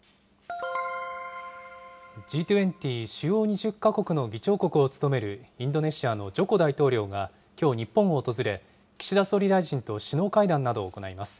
Ｇ２０・主要２０か国の議長国を務めるインドネシアのジョコ大統領がきょう、日本を訪れ、岸田総理大臣と首脳会談などを行います。